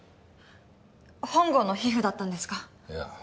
本郷の皮膚だったんですか？